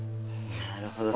なるほど。